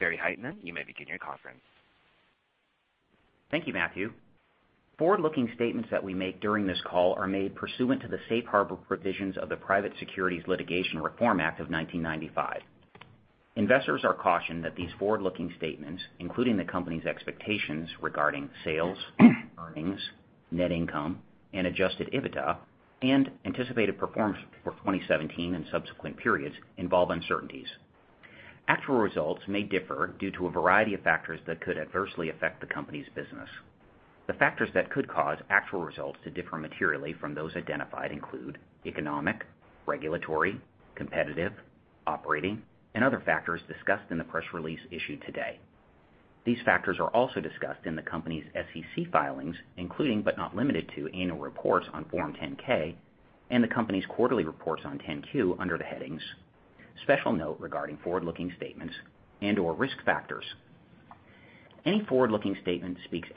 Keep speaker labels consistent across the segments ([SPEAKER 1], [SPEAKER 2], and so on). [SPEAKER 1] Thank you. Barry Hytinen, you may begin your conference.
[SPEAKER 2] Thank you, Matthew. Forward-looking statements that we make during this call are made pursuant to the safe harbor provisions of the Private Securities Litigation Reform Act of 1995. Investors are cautioned that these forward-looking statements, including the company's expectations regarding sales, earnings, net income and adjusted EBITDA, and anticipated performance for 2017 and subsequent periods, involve uncertainties. Actual results may differ due to a variety of factors that could adversely affect the company's business. The factors that could cause actual results to differ materially from those identified include economic, regulatory, competitive, operating, and other factors discussed in the press release issued today. These factors are also discussed in the company's SEC filings, including, but not limited to, annual reports on Form 10-K and the company's quarterly reports on 10-Q under the headings Special Note Regarding Forward-Looking Statements and/or Risk Factors. Any forward-looking statement speaks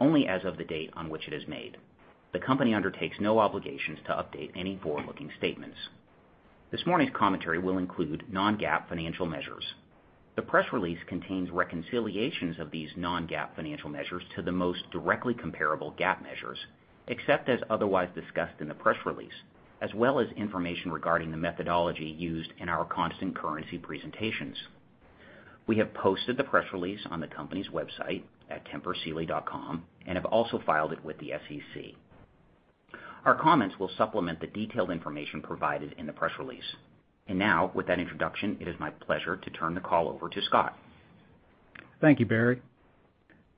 [SPEAKER 2] only as of the date on which it is made. The company undertakes no obligations to update any forward-looking statements. This morning's commentary will include non-GAAP financial measures. The press release contains reconciliations of these non-GAAP financial measures to the most directly comparable GAAP measures, except as otherwise discussed in the press release, as well as information regarding the methodology used in our constant currency presentations. We have posted the press release on the company's website at tempursealy.com and have also filed it with the SEC. Our comments will supplement the detailed information provided in the press release. Now, with that introduction, it is my pleasure to turn the call over to Scott.
[SPEAKER 3] Thank you, Barry.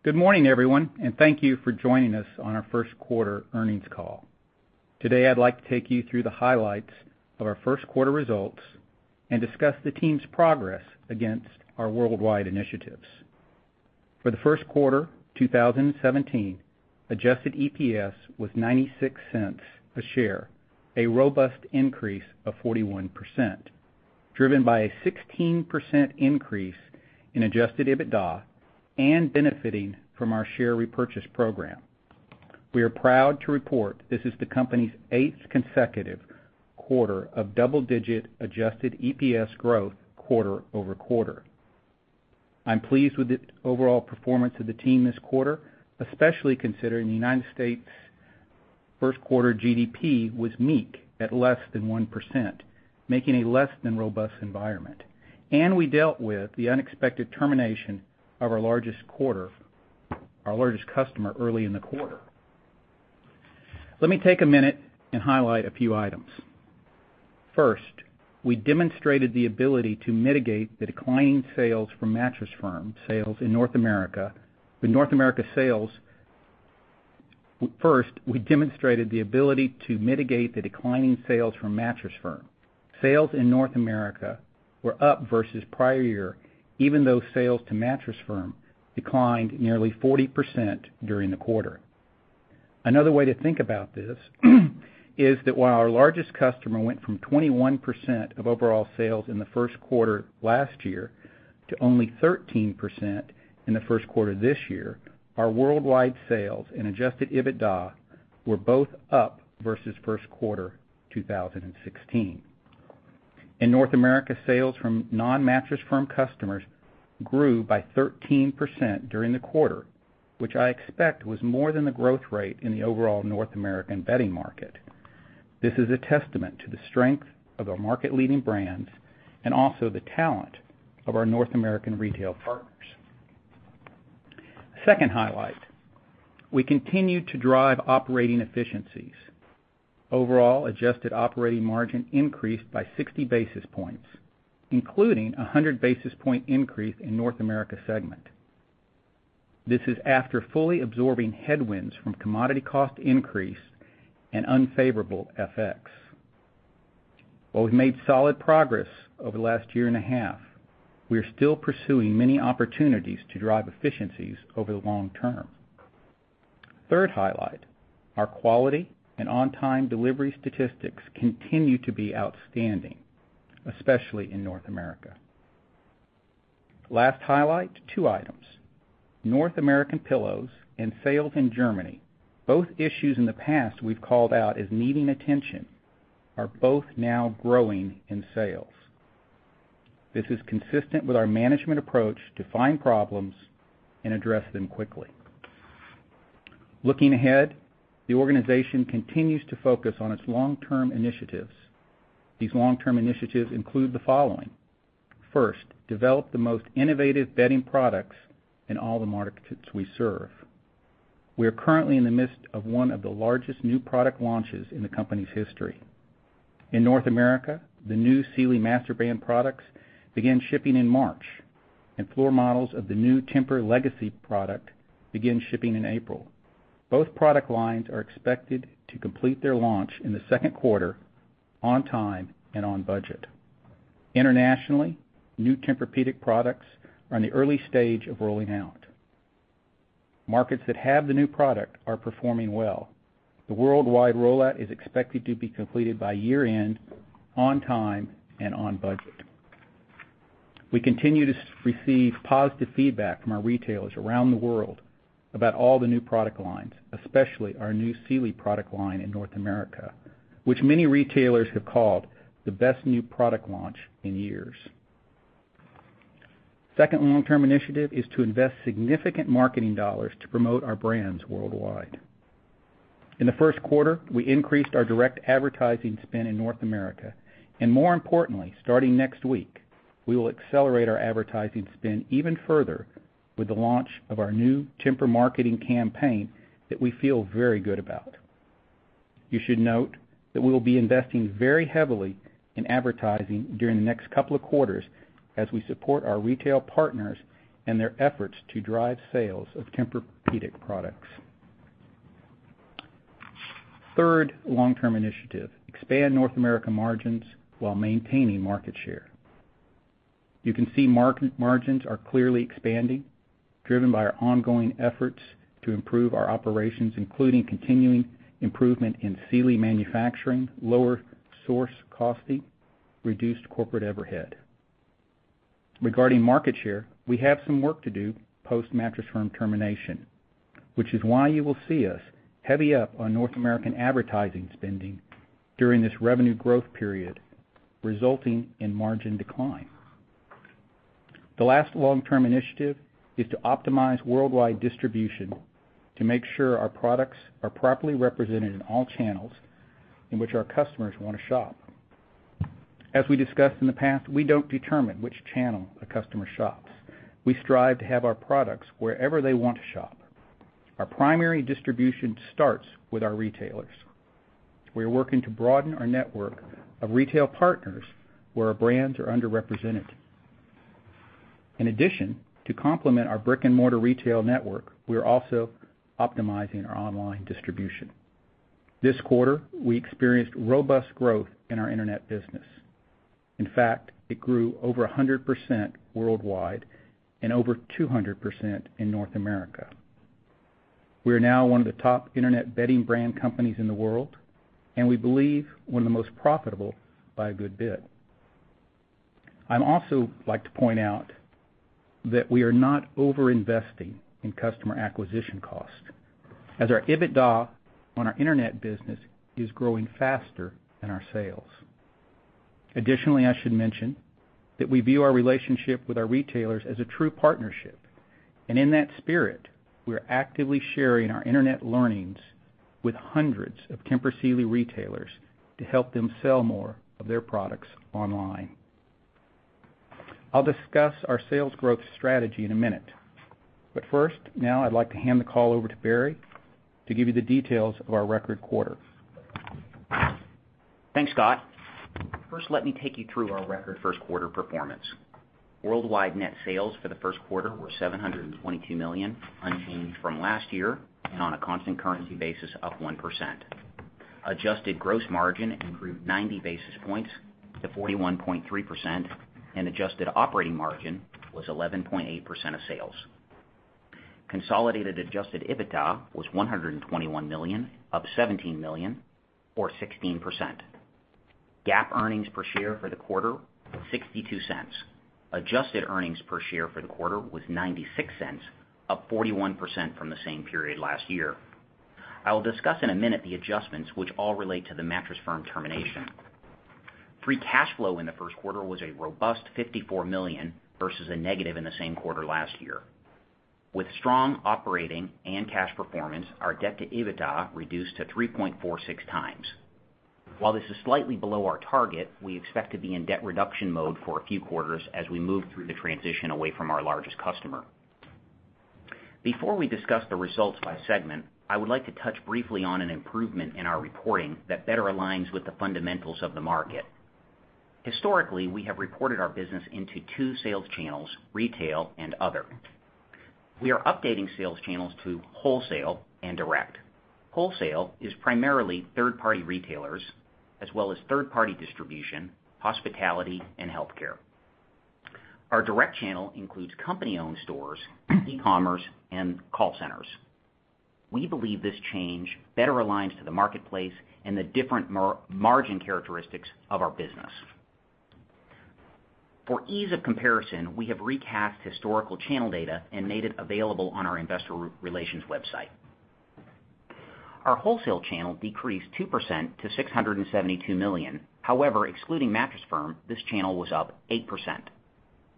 [SPEAKER 3] Good morning, everyone, and thank you for joining us on our first quarter earnings call. Today, I'd like to take you through the highlights of our first quarter results and discuss the team's progress against our worldwide initiatives. For the first quarter 2017, adjusted EPS was $0.96 a share, a robust increase of 41%, driven by a 16% increase in adjusted EBITDA and benefiting from our share repurchase program. We are proud to report this is the company's eighth consecutive quarter of double-digit adjusted EPS growth quarter-over-quarter. I'm pleased with the overall performance of the team this quarter, especially considering the U.S. first quarter GDP was meek at less than 1%, making a less than robust environment. We dealt with the unexpected termination of our largest customer early in the quarter. Let me take a minute and highlight a few items. First, we demonstrated the ability to mitigate the declining sales from Mattress Firm. Sales in North America were up versus prior year, even though sales to Mattress Firm declined nearly 40% during the quarter. Another way to think about this is that while our largest customer went from 21% of overall sales in the first quarter last year to only 13% in the first quarter this year, our worldwide sales and adjusted EBITDA were both up versus first quarter 2016. In North America, sales from non-Mattress Firm customers grew by 13% during the quarter, which I expect was more than the growth rate in the overall North American bedding market. This is a testament to the strength of our market-leading brands and also the talent of our North American retail partners. Second highlight, we continue to drive operating efficiencies. Overall adjusted operating margin increased by 60 basis points, including a 100 basis point increase in North America segment. This is after fully absorbing headwinds from commodity cost increase and unfavorable FX. While we've made solid progress over the last year and a half, we are still pursuing many opportunities to drive efficiencies over the long term. Third highlight, our quality and on-time delivery statistics continue to be outstanding, especially in North America. Last highlight, two items. North American Pillows and sales in Germany, both issues in the past we've called out as needing attention, are both now growing in sales. This is consistent with our management approach to find problems and address them quickly. Looking ahead, the organization continues to focus on its long-term initiatives. These long-term initiatives include the following. First, develop the most innovative bedding products in all the markets we serve. We are currently in the midst of one of the largest new product launches in the company's history. In North America, the new Sealy products began shipping in March, and floor models of the new Tempur-Legacy product began shipping in April. Both product lines are expected to complete their launch in the second quarter on time and on budget. Internationally, new Tempur-Pedic products are in the early stage of rolling out. Markets that have the new product are performing well. The worldwide rollout is expected to be completed by year-end on time and on budget. We continue to receive positive feedback from our retailers around the world about all the new product lines, especially our new Sealy product line in North America, which many retailers have called the best new product launch in years. Second long-term initiative is to invest significant marketing dollars to promote our brands worldwide. In the first quarter, we increased our direct advertising spend in North America. More importantly, starting next week, we will accelerate our advertising spend even further with the launch of our new Tempur marketing campaign that we feel very good about. You should note that we will be investing very heavily in advertising during the next couple of quarters as we support our retail partners and their efforts to drive sales of Tempur-Pedic products. Third long-term initiative, expand North America margins while maintaining market share. You can see margins are clearly expanding, driven by our ongoing efforts to improve our operations, including continuing improvement in Sealy manufacturing, lower source costing, reduced corporate overhead. Regarding market share, we have some work to do post Mattress Firm termination, which is why you will see us heavy up on North American advertising spending during this revenue growth period, resulting in margin decline. The last long-term initiative is to optimize worldwide distribution to make sure our products are properly represented in all channels in which our customers want to shop. As we discussed in the past, we don't determine which channel a customer shops. We strive to have our products wherever they want to shop. Our primary distribution starts with our retailers. We are working to broaden our network of retail partners where our brands are underrepresented. In addition, to complement our brick-and-mortar retail network, we are also optimizing our online distribution. This quarter, we experienced robust growth in our internet business. In fact, it grew over 100% worldwide and over 200% in North America. We are now one of the top internet bedding brand companies in the world, and we believe one of the most profitable by a good bit. I'd also like to point out that we are not over-investing in customer acquisition cost as our EBITDA on our internet business is growing faster than our sales. Additionally, I should mention that we view our relationship with our retailers as a true partnership, and in that spirit, we are actively sharing our internet learnings with hundreds of Tempur Sealy retailers to help them sell more of their products online. I'll discuss our sales growth strategy in a minute, but first, now I'd like to hand the call over to Barry to give you the details of our record quarter.
[SPEAKER 2] Thanks, Scott. First, let me take you through our record first quarter performance. Worldwide net sales for the first quarter were $722 million, unchanged from last year, and on a constant currency basis, up 1%. Adjusted gross margin improved 90 basis points to 41.3%, and adjusted operating margin was 11.8% of sales. Consolidated adjusted EBITDA was $121 million, up $17 million or 16%. GAAP earnings per share for the quarter, $0.62. Adjusted earnings per share for the quarter was $0.96, up 41% from the same period last year. I will discuss in a minute the adjustments which all relate to the Mattress Firm termination. Free cash flow in the first quarter was a robust $54 million versus a negative in the same quarter last year. With strong operating and cash performance, our debt to EBITDA reduced to 3.46. While this is slightly below our target, we expect to be in debt reduction mode for a few quarters as we move through the transition away from our largest customer. Before we discuss the results by segment, I would like to touch briefly on an improvement in our reporting that better aligns with the fundamentals of the market. Historically, we have reported our business into two sales channels, retail and other. We are updating sales channels to wholesale and direct. Wholesale is primarily third-party retailers as well as third-party distribution, hospitality, and healthcare. Our direct channel includes company-owned stores, e-commerce, and call centers. We believe this change better aligns to the marketplace and the different margin characteristics of our business. For ease of comparison, we have recapped historical channel data and made it available on our investor relations website. Our wholesale channel decreased 2% to $672 million. Excluding Mattress Firm, this channel was up 8%.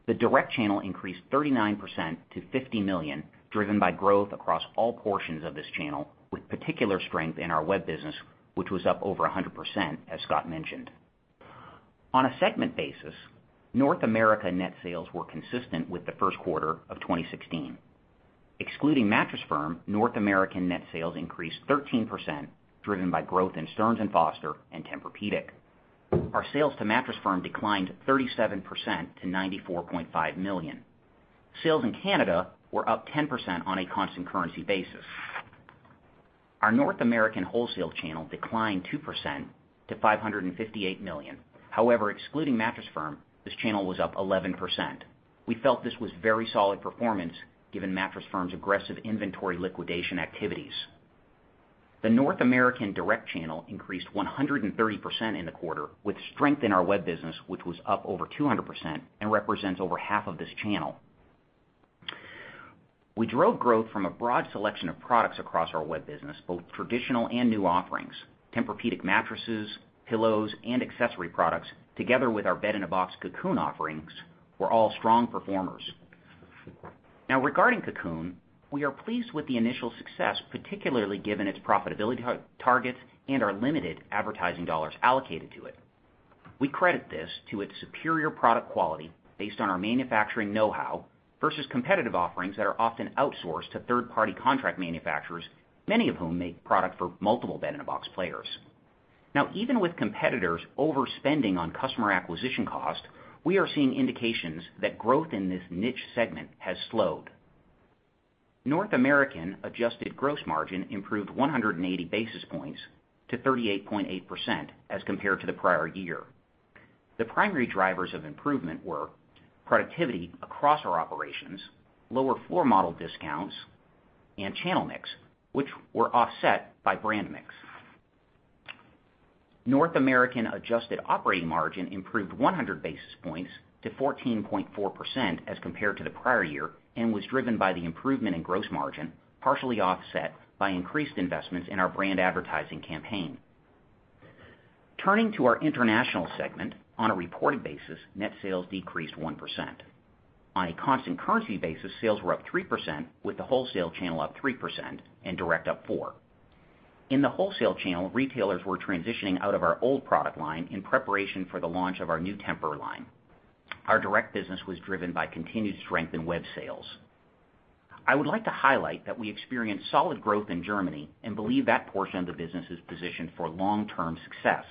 [SPEAKER 2] The direct channel increased 39% to $50 million, driven by growth across all portions of this channel, with particular strength in our web business, which was up over 100%, as Scott mentioned. On a segment basis, North America net sales were consistent with the first quarter of 2016. Excluding Mattress Firm, North American net sales increased 13%, driven by growth in Stearns & Foster and Tempur-Pedic. Our sales to Mattress Firm declined 37% to $94.5 million. Sales in Canada were up 10% on a constant currency basis. Our North American wholesale channel declined 2% to $558 million. Excluding Mattress Firm, this channel was up 11%. We felt this was very solid performance given Mattress Firm's aggressive inventory liquidation activities. The North American direct channel increased 130% in the quarter with strength in our web business, which was up over 200% and represents over half of this channel. We drove growth from a broad selection of products across our web business, both traditional and new offerings. Tempur-Pedic mattresses, pillows, and accessory products, together with our bed-in-a-box Cocoon offerings, were all strong performers. Regarding Cocoon, we are pleased with the initial success, particularly given its profitability targets and our limited advertising dollars allocated to it. We credit this to its superior product quality based on our manufacturing know-how versus competitive offerings that are often outsourced to third-party contract manufacturers, many of whom make product for multiple bed-in-a-box players. Even with competitors overspending on customer acquisition cost, we are seeing indications that growth in this niche segment has slowed. North American adjusted gross margin improved 180 basis points to 38.8% as compared to the prior year. The primary drivers of improvement were productivity across our operations, lower floor model discounts, and channel mix, which were offset by brand mix. North American adjusted operating margin improved 100 basis points to 14.4% as compared to the prior year and was driven by the improvement in gross margin, partially offset by increased investments in our brand advertising campaign. Turning to our international segment, on a reported basis, net sales decreased 1%. On a constant currency basis, sales were up 3%, with the wholesale channel up 3% and direct up 4%. In the wholesale channel, retailers were transitioning out of our old product line in preparation for the launch of our new Tempur line. Our direct business was driven by continued strength in web sales. I would like to highlight that we experienced solid growth in Germany and believe that portion of the business is positioned for long-term success.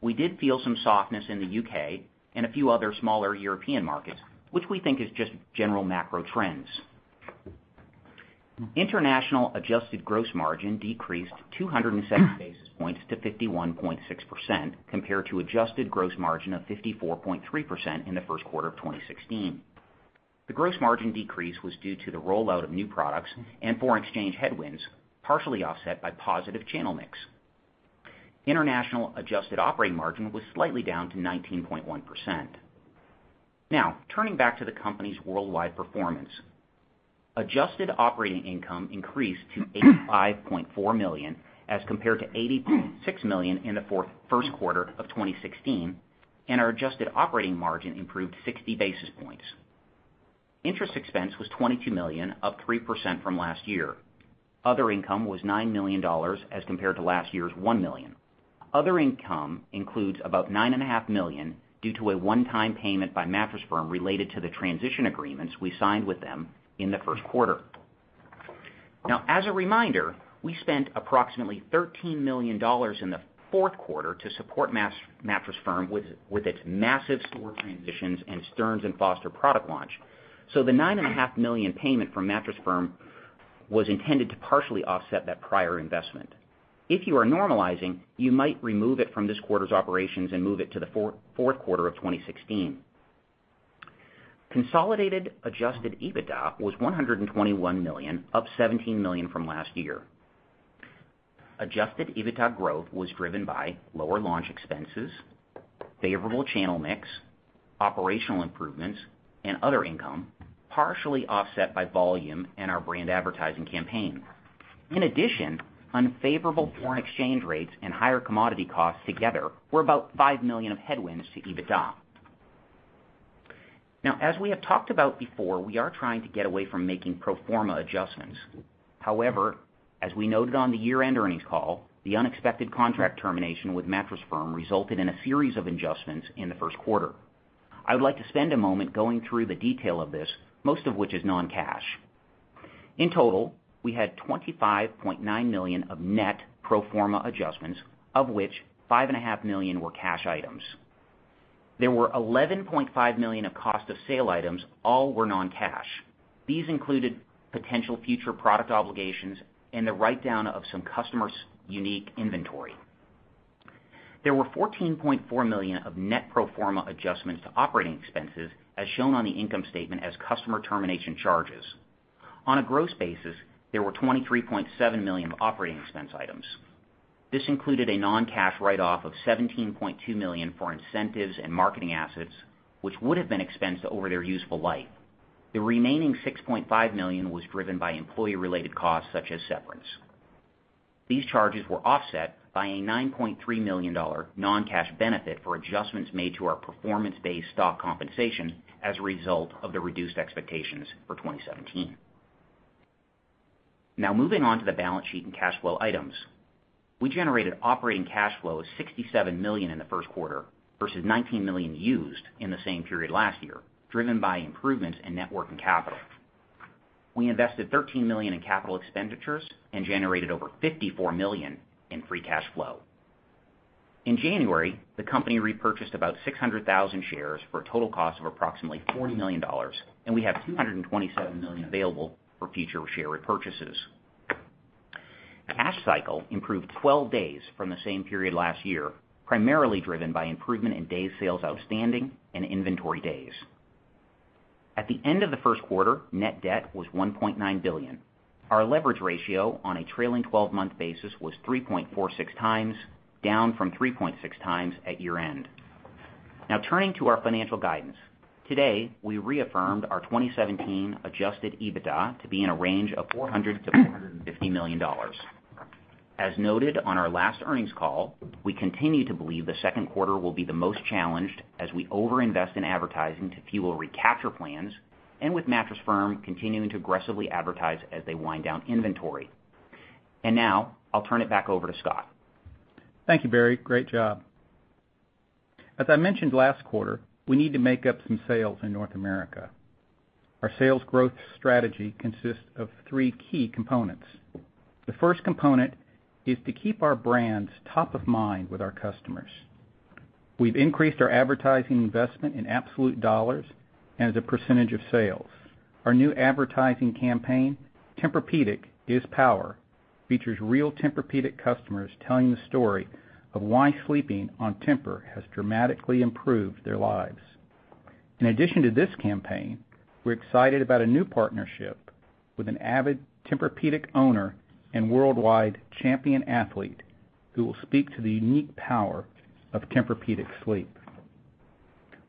[SPEAKER 2] We did feel some softness in the U.K. and a few other smaller European markets, which we think is just general macro trends. International adjusted gross margin decreased 207 basis points to 51.6% compared to adjusted gross margin of 54.3% in the first quarter of 2016. The gross margin decrease was due to the rollout of new products and foreign exchange headwinds, partially offset by positive channel mix. International adjusted operating margin was slightly down to 19.1%. Turning back to the company's worldwide performance. Adjusted operating income increased to $85.4 million as compared to $86 million in the first quarter of 2016, and our adjusted operating margin improved 60 basis points. Interest expense was $22 million, up 3% from last year. Other income was $9 million as compared to last year's $1 million. Other income includes about nine and a half million due to a one-time payment by Mattress Firm related to the transition agreements we signed with them in the first quarter. As a reminder, we spent approximately $13 million in the fourth quarter to support Mattress Firm with its massive store transitions and Stearns & Foster product launch. The nine and a half million payment from Mattress Firm was intended to partially offset that prior investment. If you are normalizing, you might remove it from this quarter's operations and move it to the fourth quarter of 2016. Consolidated adjusted EBITDA was $121 million, up $17 million from last year. Adjusted EBITDA growth was driven by lower launch expenses, favorable channel mix, operational improvements and other income, partially offset by volume and our brand advertising campaign. In addition, unfavorable foreign exchange rates and higher commodity costs together were about $5 million of headwinds to EBITDA. As we have talked about before, we are trying to get away from making pro forma adjustments. However, as we noted on the year-end earnings call, the unexpected contract termination with Mattress Firm resulted in a series of adjustments in the first quarter. I would like to spend a moment going through the detail of this, most of which is non-cash. In total, we had $25.9 million of net pro forma adjustments, of which 5,500,000 were cash items. There were $11.5 million of cost of sale items. All were non-cash. These included potential future product obligations and the write-down of some customers' unique inventory. There were $14.4 million of net pro forma adjustments to operating expenses, as shown on the income statement as customer termination charges. On a gross basis, there were $23.7 million of operating expense items. This included a non-cash write-off of $17.2 million for incentives and marketing assets, which would have been expensed over their useful life. The remaining $6.5 million was driven by employee-related costs such as severance. These charges were offset by a $9.3 million non-cash benefit for adjustments made to our performance-based stock compensation as a result of the reduced expectations for 2017. Moving on to the balance sheet and cash flow items. We generated operating cash flow of $67 million in the first quarter versus $19 million used in the same period last year, driven by improvements in net working capital. We invested $13 million in capital expenditures and generated over $54 million in free cash flow. In January, the company repurchased about 600,000 shares for a total cost of approximately $40 million, and we have $227 million available for future share repurchases. Cash cycle improved 12 days from the same period last year, primarily driven by improvement in days sales outstanding and inventory days. At the end of the first quarter, net debt was $1.9 billion. Our leverage ratio on a trailing 12-month basis was 3.46x, down from 3.6x at year-end. Turning to our financial guidance. Today, we reaffirmed our 2017 adjusted EBITDA to be in a range of $400 million-$450 million. As noted on our last earnings call, we continue to believe the second quarter will be the most challenged as we over-invest in advertising to fuel recapture plans, and with Mattress Firm continuing to aggressively advertise as they wind down inventory. Now I'll turn it back over to Scott.
[SPEAKER 3] Thank you, Barry. Great job. As I mentioned last quarter, we need to make up some sales in North America. Our sales growth strategy consists of three key components. The first component is to keep our brands top of mind with our customers. We've increased our advertising investment in absolute dollars and as a percentage of sales. Our new advertising campaign, Tempur-Pedic Sleep Is Power, features real Tempur-Pedic customers telling the story of why sleeping on Tempur has dramatically improved their lives. In addition to this campaign, we're excited about a new partnership with an avid Tempur-Pedic owner and worldwide champion athlete who will speak to the unique power of Tempur-Pedic sleep.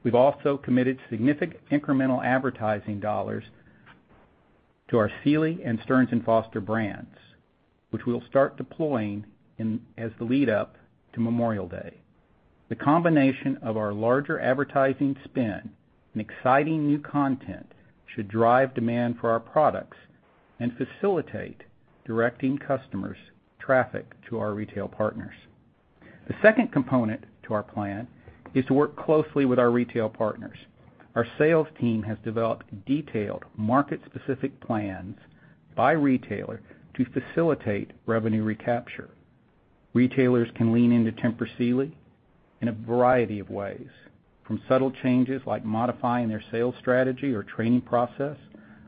[SPEAKER 3] We've also committed significant incremental advertising dollars to our Sealy and Stearns & Foster brands, which we'll start deploying as the lead up to Memorial Day. The combination of our larger advertising spend and exciting new content should drive demand for our products and facilitate directing customers traffic to our retail partners. The second component to our plan is to work closely with our retail partners. Our sales team has developed detailed market-specific plans by retailer to facilitate revenue recapture. Retailers can lean into Tempur Sealy in a variety of ways, from subtle changes like modifying their sales strategy or training process,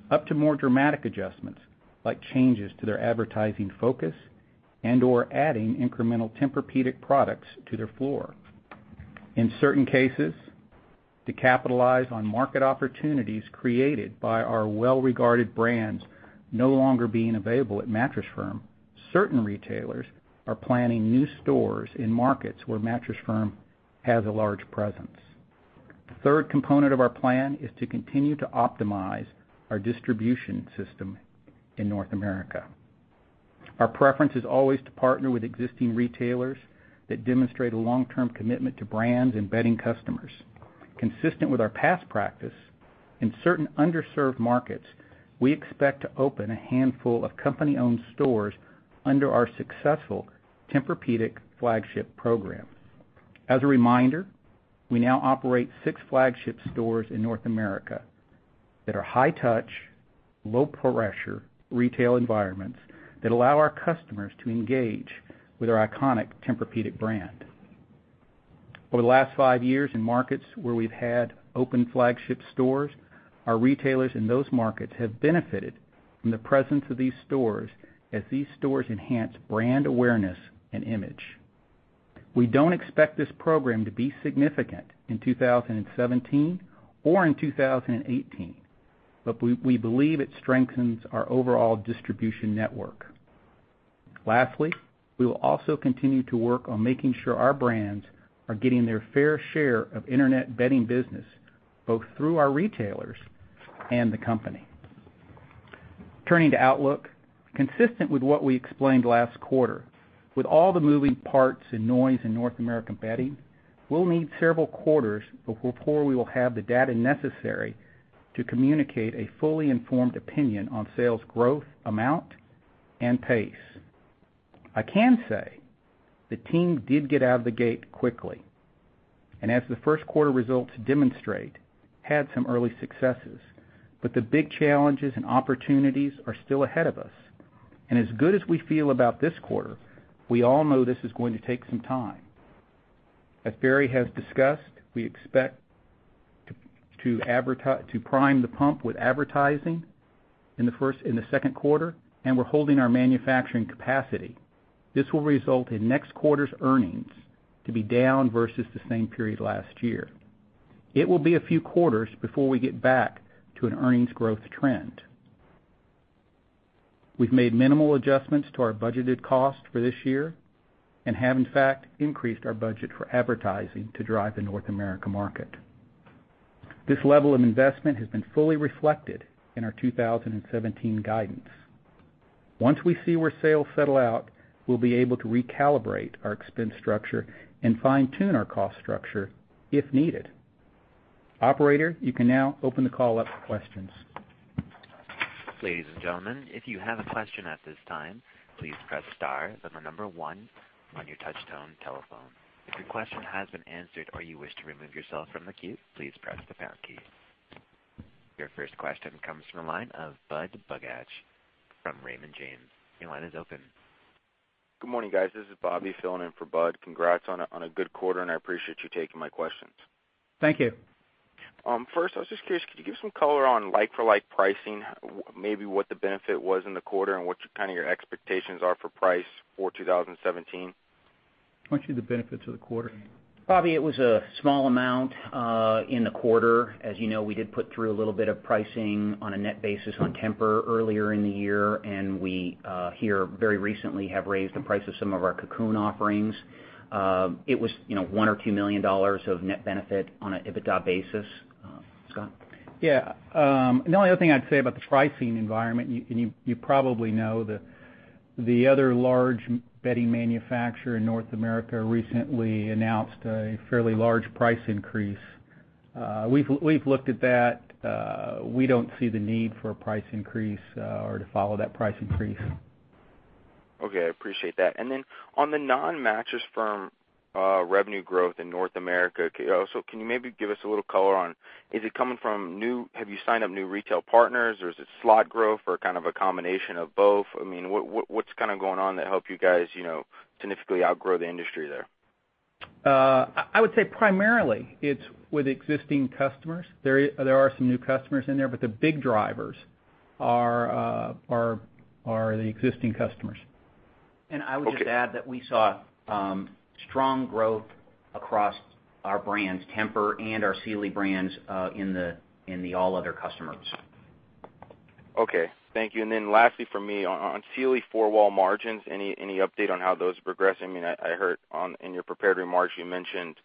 [SPEAKER 3] up to more dramatic adjustments, like changes to their advertising focus and/or adding incremental Tempur-Pedic products to their floor. In certain cases, to capitalize on market opportunities created by our well-regarded brands no longer being available at Mattress Firm, certain retailers are planning new stores in markets where Mattress Firm has a large presence. The third component of our plan is to continue to optimize our distribution system in North America. Our preference is always to partner with existing retailers that demonstrate a long-term commitment to brands and bedding customers. Consistent with our past practice, in certain underserved markets, we expect to open a handful of company-owned stores under our successful Tempur-Pedic flagship program. As a reminder, we now operate six flagship stores in North America that are high-touch, low-pressure retail environments that allow our customers to engage with our iconic Tempur-Pedic brand. Over the last five years in markets where we've had open flagship stores, our retailers in those markets have benefited from the presence of these stores as these stores enhance brand awareness and image. We don't expect this program to be significant in 2017 or in 2018, but we believe it strengthens our overall distribution network. Lastly, we will also continue to work on making sure our brands are getting their fair share of internet bedding business, both through our retailers and the company. Turning to outlook. Consistent with what we explained last quarter, with all the moving parts and noise in North American bedding, we'll need several quarters before we will have the data necessary to communicate a fully informed opinion on sales growth amount and pace. I can say the team did get out of the gate quickly, and as the first quarter results demonstrate, had some early successes. But the big challenges and opportunities are still ahead of us. As good as we feel about this quarter, we all know this is going to take some time. As Barry has discussed, we expect to prime the pump with advertising in the second quarter, and we're holding our manufacturing capacity. This will result in next quarter's earnings to be down versus the same period last year. It will be a few quarters before we get back to an earnings growth trend. We've made minimal adjustments to our budgeted cost for this year and have in fact increased our budget for advertising to drive the North America market. This level of investment has been fully reflected in our 2017 guidance. Once we see where sales settle out, we'll be able to recalibrate our expense structure and fine-tune our cost structure if needed. Operator, you can now open the call up for questions.
[SPEAKER 1] Ladies and gentlemen, if you have a question at this time, please press star, then the number one on your touch tone telephone. If your question has been answered or you wish to remove yourself from the queue, please press the pound key. Your first question comes from the line of Budd Bugatch from Raymond James. Your line is open.
[SPEAKER 4] Good morning, guys. This is Bobby filling in for Bud. Congrats on a good quarter and I appreciate you taking my questions.
[SPEAKER 3] Thank you.
[SPEAKER 4] I was just curious, could you give some color on like-for-like pricing, maybe what the benefit was in the quarter and what your expectations are for price for 2017?
[SPEAKER 3] Why don't you the benefits of the quarter?
[SPEAKER 2] Bobby, it was a small amount in the quarter. As you know, we did put through a little bit of pricing on a net basis on Tempur earlier in the year, and we here very recently have raised the price of some of our Cocoon offerings. It was $1 million or $2 million of net benefit on an EBITDA basis. Scott?
[SPEAKER 3] Yeah. The only other thing I'd say about the pricing environment, and you probably know that the other large bedding manufacturer in North America recently announced a fairly large price increase. We've looked at that. We don't see the need for a price increase, or to follow that price increase.
[SPEAKER 4] I appreciate that. On the non-Mattress Firm revenue growth in North America, can you maybe give us a little color on, is it coming from new? Have you signed up new retail partners, or is it slot growth or kind of a combination of both? What's going on that help you guys significantly outgrow the industry there?
[SPEAKER 3] I would say primarily it's with existing customers. There are some new customers in there, the big drivers are the existing customers.
[SPEAKER 4] Okay.
[SPEAKER 2] I would just add that we saw strong growth across our brands, Tempur and our Sealy brands, in the all other customers.
[SPEAKER 4] Okay. Thank you. Lastly from me, on Sealy four-wall margins, any update on how those are progressing? I heard in your prepared remarks, you mentioned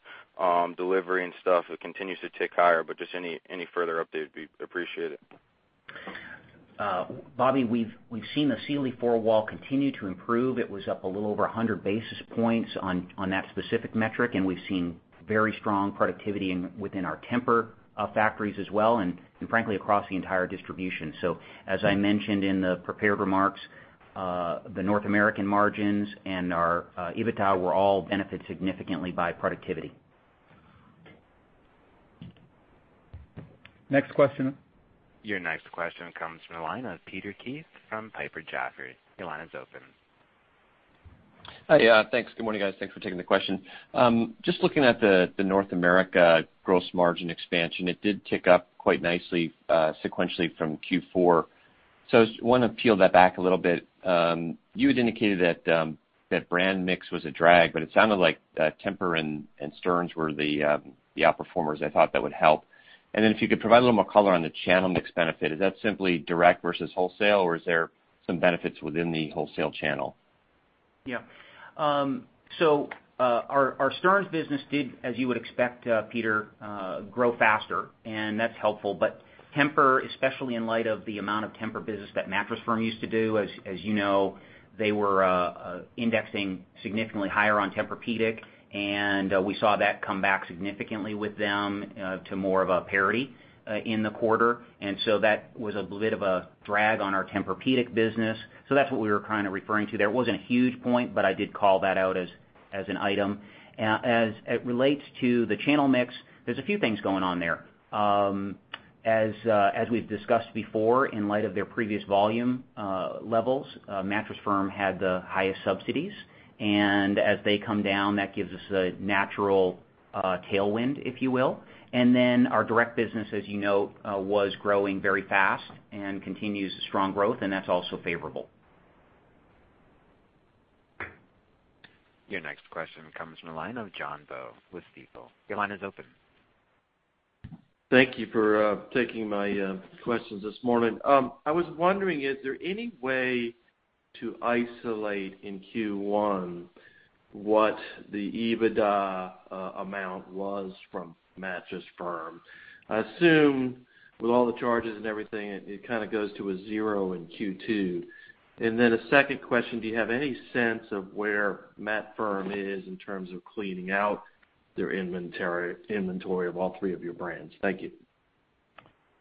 [SPEAKER 4] delivery and stuff, it continues to tick higher, just any further update would be appreciated.
[SPEAKER 2] Bobby, we've seen the Sealy four-wall continue to improve. It was up a little over 100 basis points on that specific metric, and we've seen very strong productivity within our Tempur factories as well, and frankly, across the entire distribution. As I mentioned in the prepared remarks, the North American margins and our EBITDA were all benefited significantly by productivity.
[SPEAKER 3] Next question.
[SPEAKER 1] Your next question comes from the line of Peter Keith from Piper Jaffray. Your line is open.
[SPEAKER 5] Hi. Thanks. Good morning, guys. Thanks for taking the question. Just looking at the North America gross margin expansion, it did tick up quite nicely, sequentially from Q4. I just want to peel that back a little bit. You had indicated that brand mix was a drag, but it sounded like Tempur and Stearns were the out-performers. I thought that would help. If you could provide a little more color on the channel mix benefit. Is that simply direct versus wholesale, or is there some benefits within the wholesale channel?
[SPEAKER 2] Yeah. Our Stearns business did, as you would expect, Peter, grow faster, and that's helpful. Tempur, especially in light of the amount of Tempur business that Mattress Firm used to do, as you know, they were indexing significantly higher on Tempur-Pedic, and we saw that come back significantly with them to more of a parity in the quarter. That was a bit of a drag on our Tempur-Pedic business. That's what we were kind of referring to there. It wasn't a huge point, but I did call that out as an item. As it relates to the channel mix, there's a few things going on there. As we've discussed before, in light of their previous volume levels, Mattress Firm had the highest subsidies. As they come down, that gives us a natural tailwind, if you will. Our direct business, as you know, was growing very fast and continues strong growth, and that's also favorable.
[SPEAKER 1] Your next question comes from the line of Jon Bowe with Stifel. Your line is open.
[SPEAKER 6] Thank you for taking my questions this morning. I was wondering, is there any way to isolate in Q1 what the EBITDA amount was from Mattress Firm? I assume with all the charges and everything, it kind of goes to a zero in Q2. A second question, do you have any sense of where Mattress Firm is in terms of cleaning out their inventory of all three of your brands? Thank you.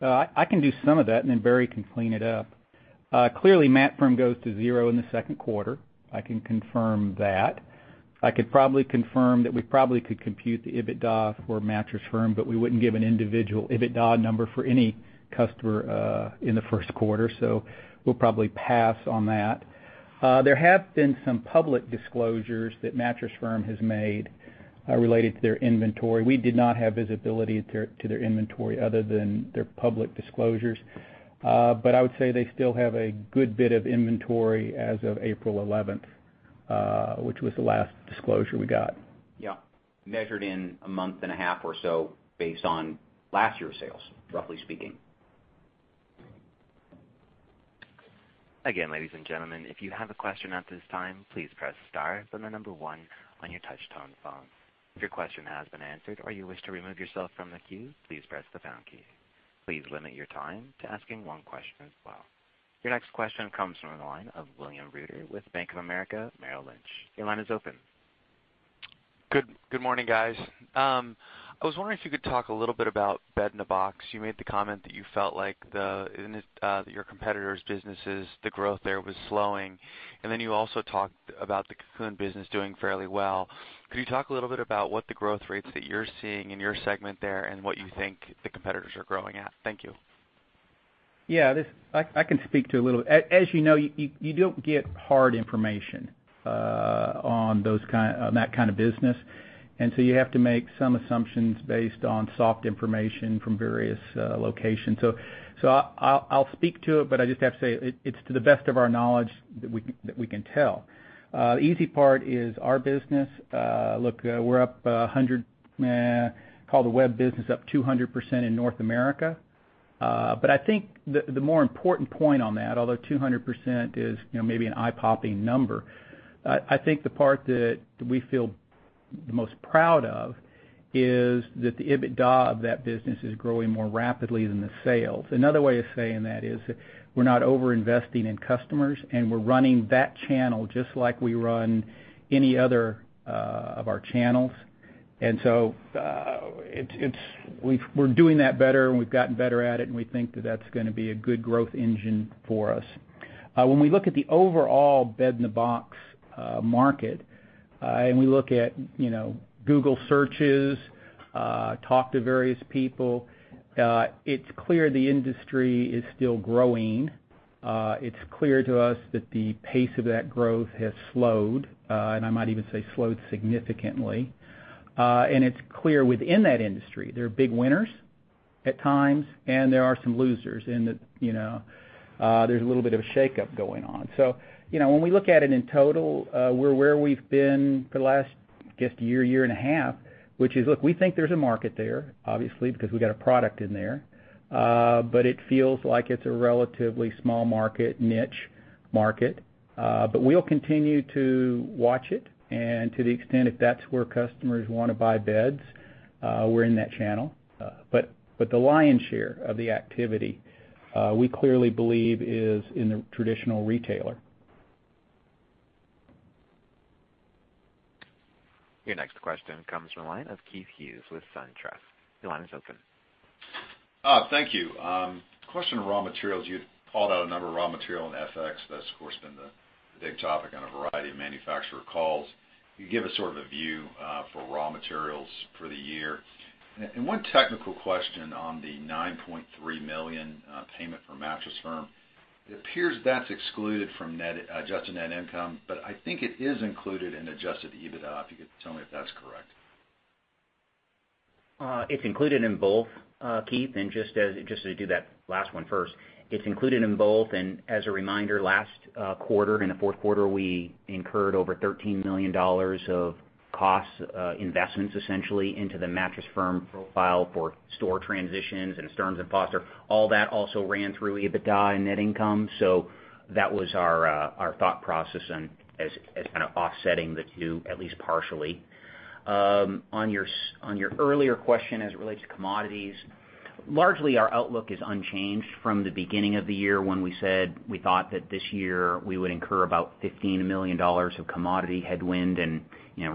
[SPEAKER 3] I can do some of that. Barry can clean it up. Clearly, Mattress Firm goes to zero in the second quarter. I can confirm that. I could probably confirm that we probably could compute the EBITDA for Mattress Firm, we wouldn't give an individual EBITDA number for any customer in the first quarter. We'll probably pass on that. There have been some public disclosures that Mattress Firm has made related to their inventory. We did not have visibility to their inventory other than their public disclosures. I would say they still have a good bit of inventory as of April 11th, which was the last disclosure we got.
[SPEAKER 2] Yeah. Measured in a month and a half or so based on last year's sales, roughly speaking.
[SPEAKER 1] Again, ladies and gentlemen, if you have a question at this time, please press star, then the number 1 on your touchtone phone. If your question has been answered, or you wish to remove yourself from the queue, please press the pound key. Please limit your time to asking one question as well. Your next question comes from the line of William Reuter with Bank of America Merrill Lynch. Your line is open.
[SPEAKER 7] Good morning, guys. I was wondering if you could talk a little bit about bed-in-a-box. You made the comment that you felt like that your competitors' businesses, the growth there was slowing, you also talked about the Cocoon business doing fairly well. Could you talk a little bit about what the growth rates that you're seeing in your segment there and what you think the competitors are growing at? Thank you.
[SPEAKER 3] Yeah. I can speak to a little. As you know, you don't get hard information on that kind of business. You have to make some assumptions based on soft information from various locations. I'll speak to it, but I just have to say, it's to the best of our knowledge that we can tell. Easy part is our business. Look, we're up 100% call the web business up 200% in North America. I think the more important point on that, although 200% is maybe an eye-popping number, I think the part that we feel the most proud of is that the EBITDA of that business is growing more rapidly than the sales. Another way of saying that is we're not over-investing in customers, and we're running that channel just like we run any other of our channels. We're doing that better, and we've gotten better at it, and we think that that's going to be a good growth engine for us. When we look at the overall bed-in-a-box market, and we look at Google searches, talk to various people, it's clear the industry is still growing. It's clear to us that the pace of that growth has slowed, and I might even say slowed significantly. It's clear within that industry, there are big winners at times, and there are some losers, there's a little bit of a shakeup going on. When we look at it in total, we're where we've been for the last, I guess, year and a half, which is, look, we think there's a market there, obviously, because we've got a product in there. It feels like it's a relatively small market, niche market. We'll continue to watch it. To the extent if that's where customers want to buy beds, we're in that channel. The lion's share of the activity, we clearly believe is in the traditional retailer.
[SPEAKER 1] Your next question comes from the line of Keith Hughes with SunTrust. Your line is open.
[SPEAKER 8] Thank you. Question on raw materials. You called out a number of raw material and FX. That's, of course, been the big topic on a variety of manufacturer calls. Can you give us sort of a view for raw materials for the year? One technical question on the $9.3 million payment from Mattress Firm. It appears that's excluded from adjusted net income, but I think it is included in adjusted EBITDA. If you could tell me if that's correct.
[SPEAKER 2] It's included in both, Keith, just to do that last one first. It's included in both, as a reminder, last quarter, in the fourth quarter, we incurred over $13 million of cost investments, essentially, into the Mattress Firm profile for store transitions and Stearns & Foster. All that also ran through EBITDA and net income. That was our thought process as kind of offsetting the two, at least partially. On your earlier question as it relates to commodities, largely our outlook is unchanged from the beginning of the year when we said we thought that this year we would incur about $15 million of commodity headwind and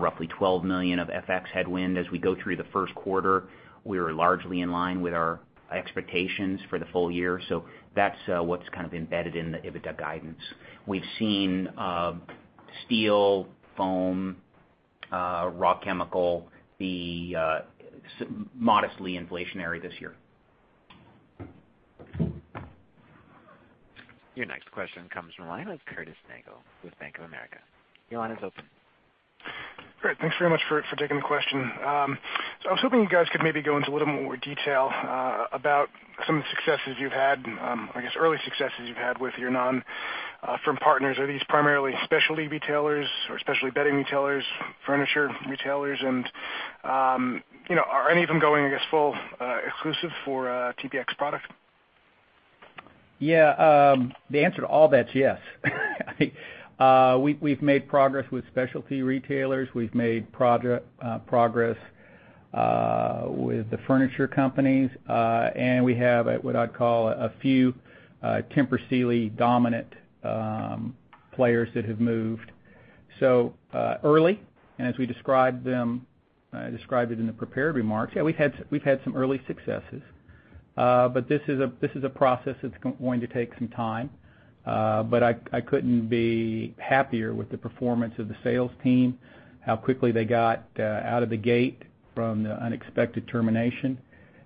[SPEAKER 2] roughly $12 million of FX headwind as we go through the first quarter. We are largely in line with our expectations for the full year. That's what's kind of embedded in the EBITDA guidance. We've seen steel, foam, raw chemical be modestly inflationary this year.
[SPEAKER 1] Your next question comes from the line of Curtis Nagle with Bank of America. Your line is open.
[SPEAKER 9] Great. Thanks very much for taking the question. I was hoping you guys could maybe go into a little more detail about some of the successes you've had, I guess, early successes you've had with your non-firm partners. Are these primarily specialty retailers or specialty bedding retailers, furniture retailers, and are any of them going, I guess, full exclusive for TPX product?
[SPEAKER 3] Yeah. The answer to all that is yes. We've made progress with specialty retailers. We've made progress with the furniture companies. We have what I'd call a few Tempur Sealy dominant players that have moved so early. As we described it in the prepared remarks, yeah, we've had some early successes. This is a process that's going to take some time. I couldn't be happier with the performance of the sales team, how quickly they got out of the gate from the unexpected termination.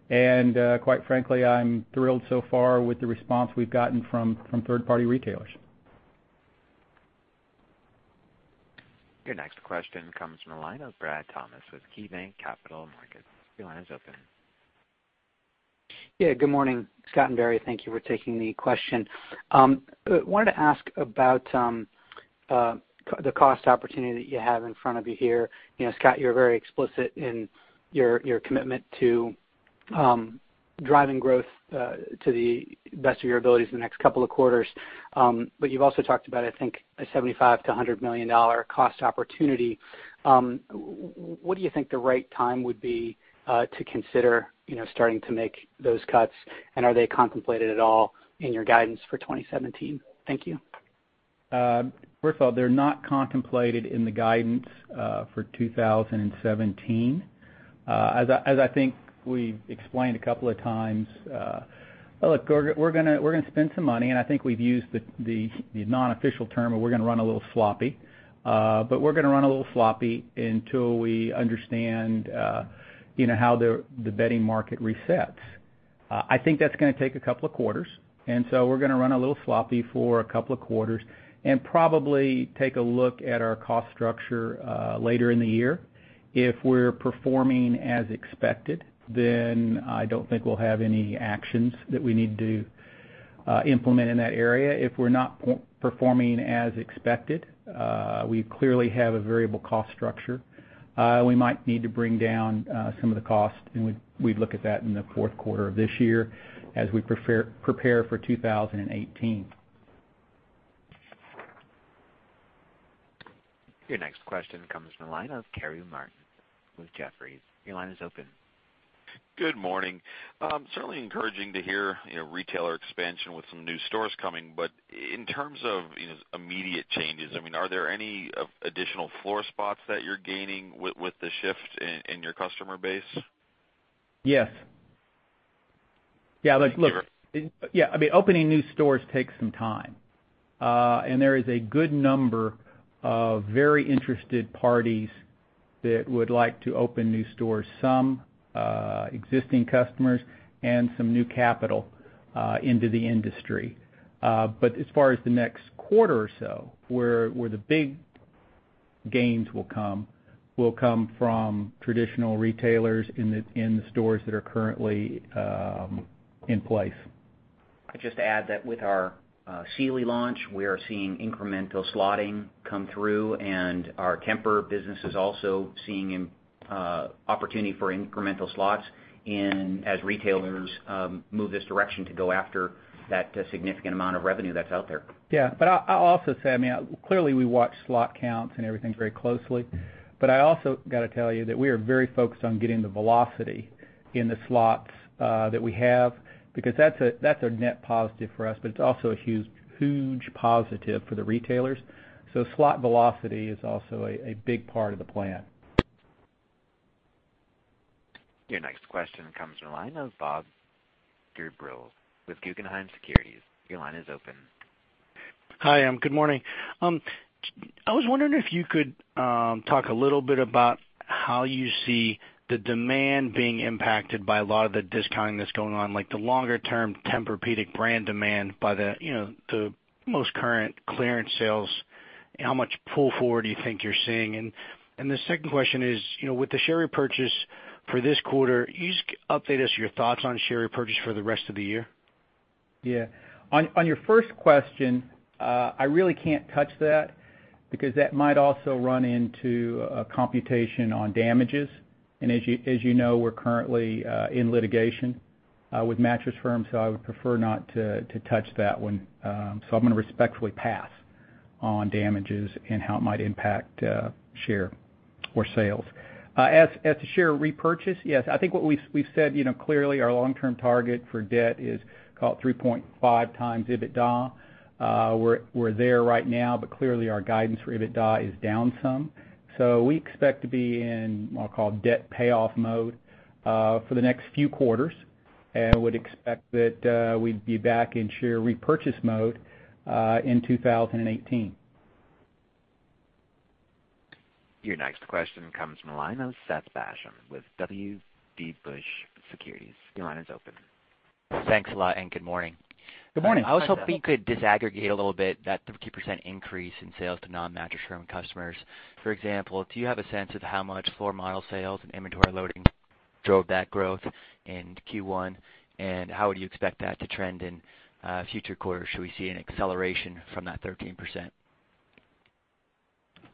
[SPEAKER 3] Quite frankly, I'm thrilled so far with the response we've gotten from third-party retailers.
[SPEAKER 1] Your next question comes from the line of Bradley Thomas with KeyBanc Capital Markets. Your line is open.
[SPEAKER 10] Yeah, good morning, Scott and Barry. Thank you for taking the question. Wanted to ask about the cost opportunity that you have in front of you here. Scott, you're very explicit in your commitment to driving growth to the best of your abilities in the next couple of quarters. You've also talked about, I think, a $75 million-$100 million cost opportunity. What do you think the right time would be to consider starting to make those cuts? Are they contemplated at all in your guidance for 2017? Thank you.
[SPEAKER 3] First of all, they're not contemplated in the guidance for 2017. As I think we explained a couple of times, look, we're going to spend some money, and I think we've used the non-official term of we're going to run a little sloppy. We're going to run a little sloppy until we understand how the bedding market resets. I think that's going to take a couple of quarters. We're going to run a little sloppy for a couple of quarters and probably take a look at our cost structure later in the year. If we're performing as expected, then I don't think we'll have any actions that we need to implement in that area. If we're not performing as expected, we clearly have a variable cost structure. We might need to bring down some of the cost, and we'd look at that in the fourth quarter of this year as we prepare for 2018.
[SPEAKER 1] Your next question comes from the line of Daniel Moore with Jefferies. Your line is open.
[SPEAKER 11] Good morning. Certainly encouraging to hear retailer expansion with some new stores coming, but in terms of immediate changes, are there any additional floor spots that you're gaining with the shift in your customer base?
[SPEAKER 3] Yes. Look.
[SPEAKER 11] Sure.
[SPEAKER 3] Yeah. Opening new stores takes some time. There is a good number of very interested parties that would like to open new stores, some existing customers and some new capital into the industry. As far as the next quarter or so, where the big gains will come from traditional retailers in the stores that are currently in place.
[SPEAKER 2] I'd just add that with our Sealy launch, we are seeing incremental slotting come through and our Tempur business is also seeing opportunity for incremental slots and as retailers move this direction to go after that significant amount of revenue that's out there.
[SPEAKER 3] Yeah. I'll also say, clearly we watch slot counts and everything very closely, but I also got to tell you that we are very focused on getting the velocity in the slots that we have, because that's a net positive for us, but it's also a huge positive for the retailers. Slot velocity is also a big part of the plan.
[SPEAKER 1] Your next question comes from the line of Bob Drbul with Guggenheim Securities. Your line is open.
[SPEAKER 12] Hi, good morning. I was wondering if you could talk a little bit about how you see the demand being impacted by a lot of the discounting that's going on, like the longer term Tempur-Pedic brand demand by the most current clearance sales, how much pull forward do you think you're seeing? The second question is, with the share repurchase for this quarter, can you just update us your thoughts on share repurchase for the rest of the year?
[SPEAKER 3] Yeah. On your first question, I really can't touch that because that might also run into a computation on damages. As you know, we're currently in litigation with Mattress Firm, I would prefer not to touch that one. I'm going to respectfully pass on damages and how it might impact share or sales. As to share repurchase, yes, I think what we've said, clearly our long-term target for debt is about 3.5 times EBITDA. We're there right now, but clearly our guidance for EBITDA is down some. We expect to be in, I'll call it debt payoff mode, for the next few quarters and would expect that we'd be back in share repurchase mode in 2018.
[SPEAKER 1] Your next question comes from the line of Seth Basham with Wedbush Securities. Your line is open.
[SPEAKER 13] Thanks a lot good morning.
[SPEAKER 3] Good morning.
[SPEAKER 13] I was hoping you could disaggregate a little bit that 13% increase in sales to non-Mattress Firm customers. For example, do you have a sense of how much floor model sales and inventory loading drove that growth in Q1? How would you expect that to trend in future quarters? Should we see an acceleration from that 13%?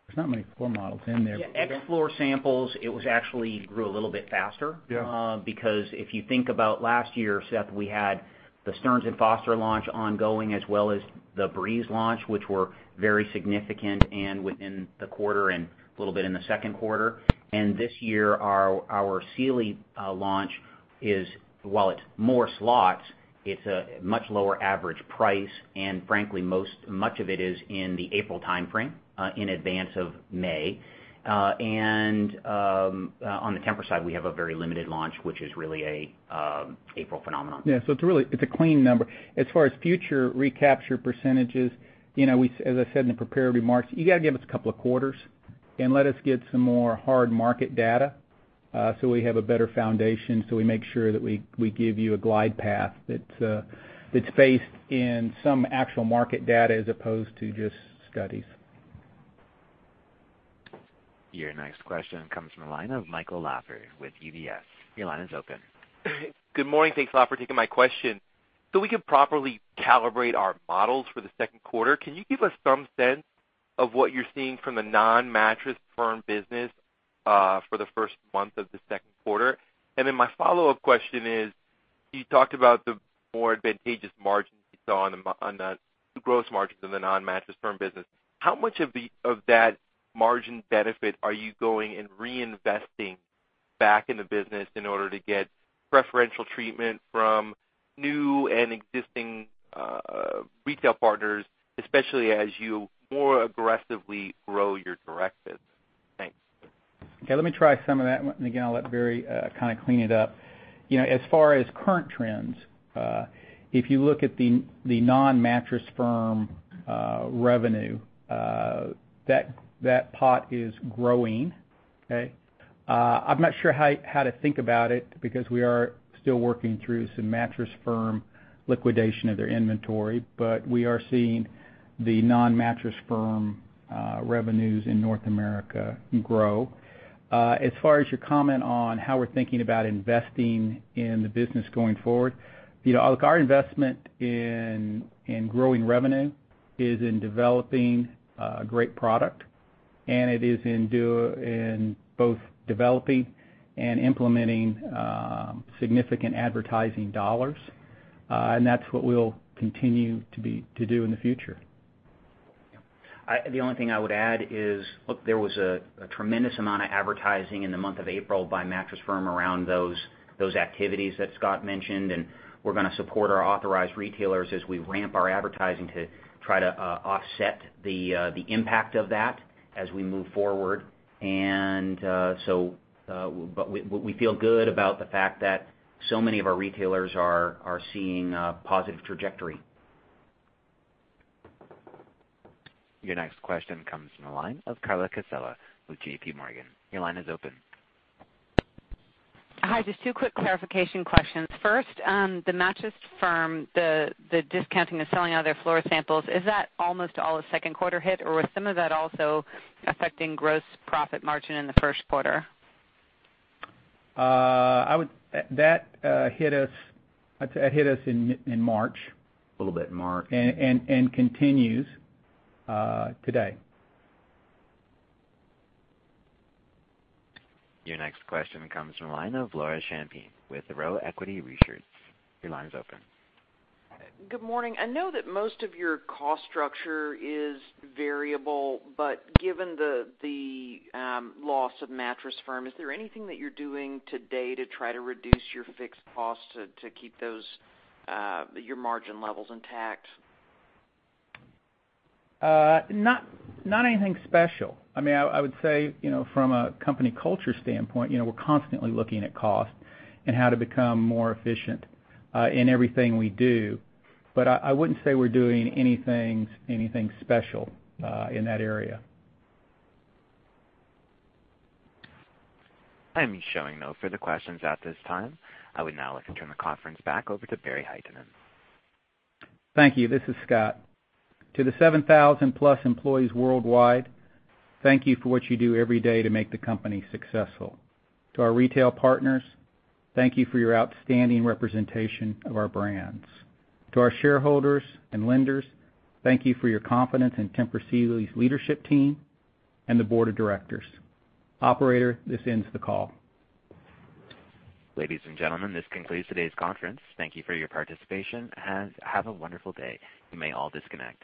[SPEAKER 3] There's not many floor models in there.
[SPEAKER 2] Yeah, ex floor samples, it actually grew a little bit faster.
[SPEAKER 3] Yeah.
[SPEAKER 2] If you think about last year, Seth, we had the Stearns & Foster launch ongoing, as well as the TEMPUR-breeze launch, which were very significant and within the quarter and a little bit in the second quarter. This year, our Sealy launch is, while it's more slots, it's a much lower average price, and frankly, much of it is in the April timeframe, in advance of May. On the Tempur side, we have a very limited launch, which is really an April phenomenon.
[SPEAKER 3] Yeah. It's a clean number. As far as future recapture percentages, as I said in the prepared remarks, you got to give us a couple of quarters and let us get some more hard market data so we have a better foundation so we make sure that we give you a glide path that's based in some actual market data as opposed to just studies.
[SPEAKER 1] Your next question comes from the line of Michael Lasser with UBS. Your line is open.
[SPEAKER 14] Good morning. Thanks a lot for taking my question. We can properly calibrate our models for the second quarter, can you give us some sense of what you're seeing from the non-Mattress Firm business for the first month of the second quarter? My follow-up question is, you talked about the more advantageous margins you saw on the gross margins in the non-Mattress Firm business. How much of that margin benefit are you going and reinvesting back in the business in order to get preferential treatment from new and existing retail partners, especially as you more aggressively grow your direct biz? Thanks.
[SPEAKER 3] Okay. Let me try some of that. Again, I'll let Barry kind of clean it up. As far as current trends, if you look at the non-Mattress Firm revenue, that pot is growing Okay. I'm not sure how to think about it because we are still working through some Mattress Firm liquidation of their inventory, but we are seeing the non-Mattress Firm revenues in North America grow. As far as your comment on how we're thinking about investing in the business going forward, look, our investment in growing revenue is in developing a great product, and it is in both developing and implementing significant advertising dollars. That's what we'll continue to do in the future.
[SPEAKER 2] The only thing I would add is, look, there was a tremendous amount of advertising in the month of April by Mattress Firm around those activities that Scott mentioned. We're going to support our authorized retailers as we ramp our advertising to try to offset the impact of that as we move forward. We feel good about the fact that so many of our retailers are seeing a positive trajectory.
[SPEAKER 1] Your next question comes from the line of Carla Casella with JPMorgan. Your line is open.
[SPEAKER 15] Hi, just two quick clarification questions. First, the Mattress Firm, the discounting and selling all their floor samples, is that almost all a second quarter hit, or was some of that also affecting gross profit margin in the first quarter?
[SPEAKER 3] That hit us in March.
[SPEAKER 2] A little bit in March.
[SPEAKER 3] Continues today.
[SPEAKER 1] Your next question comes from the line of Laura Champine with the Loop Capital Markets. Your line's open.
[SPEAKER 16] Good morning. I know that most of your cost structure is variable, but given the loss of Mattress Firm, is there anything that you're doing today to try to reduce your fixed costs to keep your margin levels intact?
[SPEAKER 3] Not anything special. I would say, from a company culture standpoint, we're constantly looking at cost and how to become more efficient in everything we do. I wouldn't say we're doing anything special in that area.
[SPEAKER 1] I'm showing no further questions at this time. I would now like to turn the conference back over to Barry Hytinen.
[SPEAKER 3] Thank you. This is Scott. To the 7,000+ employees worldwide, thank you for what you do every day to make the company successful. To our retail partners, thank you for your outstanding representation of our brands. To our shareholders and lenders, thank you for your confidence in Tempur Sealy's leadership team and the board of directors. Operator, this ends the call.
[SPEAKER 1] Ladies and gentlemen, this concludes today's conference. Thank you for your participation, and have a wonderful day. You may all disconnect.